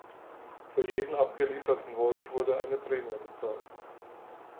Für jeden abgelieferten Wolf wurde eine Prämie bezahlt.